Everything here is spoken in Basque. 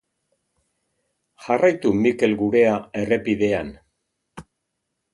Jarraitu Mikel Gurea errepidean.